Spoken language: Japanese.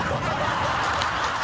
ハハハ